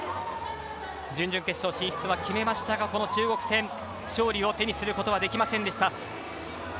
準々決勝進出は決めましたがこの中国戦勝利を手にすることはできませんでした。